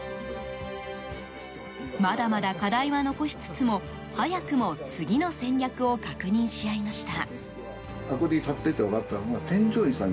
まだまだ課題は残しつつも早くも次の戦略を確認し合いました。